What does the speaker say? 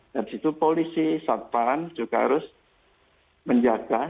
dari situ polisi satpam juga harus menjaga